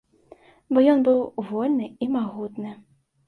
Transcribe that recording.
Бо ён быў вольны і магутны.